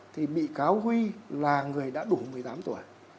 thì bị cáo huy là người đã đủ một mươi tám tuổi